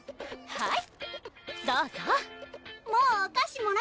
はい！